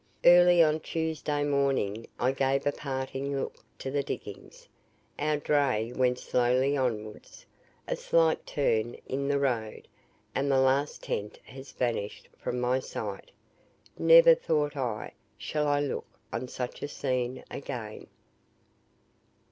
Early on Tuesday morning I gave a parting look to the diggings our dray went slowly onwards a slight turn in the road, and the last tent has vanished from my sight. "Never," thought I, "shall I look on such a scene again!"